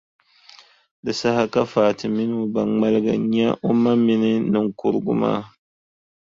Di saha ka Fati mini o ba ŋmaligi n-nya o ma mini niŋkurugu maa.